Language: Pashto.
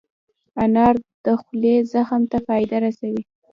انار د خولې زخم ته فایده رسوي.